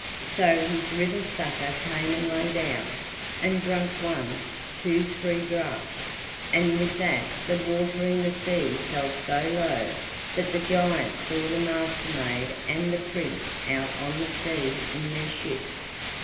So his river sucker came and lay down, and drank one, two, three draughts, and with that the water in the sea fell so low that the giant saw the Master maid and the Prince out on the sea in their ship.